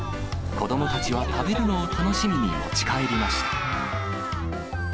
子どもたちは食べるのを楽しみに持ち帰りました。